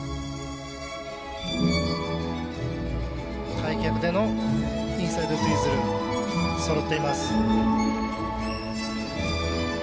開脚でのインサイドツイズルそろっています。